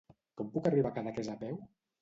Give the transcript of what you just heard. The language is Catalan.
Com puc arribar a Cadaqués a peu?